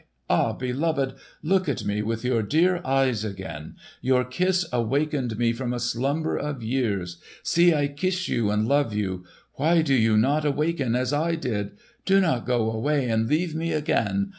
Ah, beloved, look at me with your dear eyes again! Your kiss awakened me from a slumber of years. See, I kiss you and love you. Why do you not awaken as I did? Do not go away and leave me again!